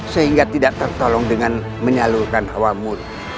sehingga tidak tertolong dengan menyalurkan awamu